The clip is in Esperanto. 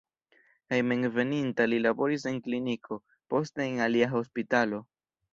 Hejmenveninta li laboris en kliniko, poste en alia hospitalo.